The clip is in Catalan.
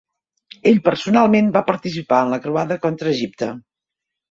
Ell personalment va participar en la croada contra Egipte.